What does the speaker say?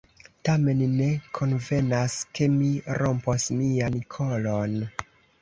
Tamen, ne konvenas, ke mi rompos mian kolon.